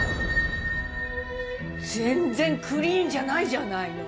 全然クリーンじゃないじゃないの。